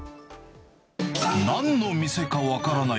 なんの店か分からない